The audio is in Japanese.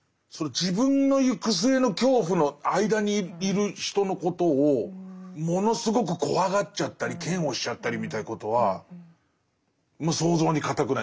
自分の行く末の恐怖の間にいる人のことをものすごく怖がっちゃったり嫌悪しちゃったりみたいなことは想像に難くない。